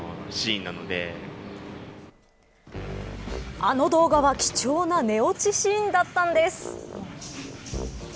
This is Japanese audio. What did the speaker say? あの動画は貴重な寝落ちシーンだったんです。